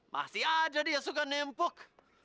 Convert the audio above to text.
masih aja dia suka nempuk